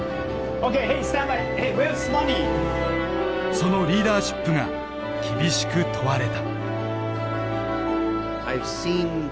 そのリーダーシップが厳しく問われた。